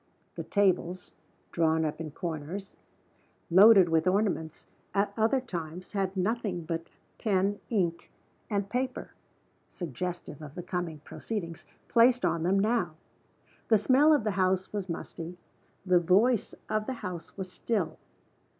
The tables, drawn up in corners loaded with ornaments at other times had nothing but pen, ink, and paper (suggestive of the coming proceedings) placed on them now. The smell of the house was musty; the voice of the house was still.